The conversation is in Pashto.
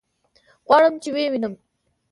غواړم چې ويې وينم.